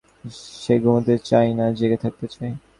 সে ঘুমুতে চায় না, জেগে থাকতে চায়।